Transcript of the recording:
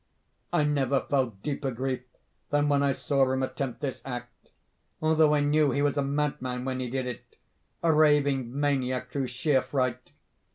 I never felt deeper grief than when I saw him attempt this act—although I knew he was a madman when he did it—a raving maniac through sheer fright.